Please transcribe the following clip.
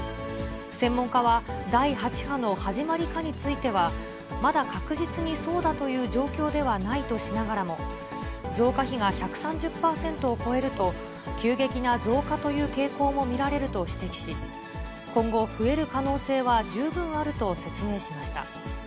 専門家は、第８波の始まりかについては、まだ確実にそうだという状況ではないとしながらも、増加比が１３０％を超えると、急激な増加という傾向も見られると指摘し、今後、増える可能性は十分あると説明しました。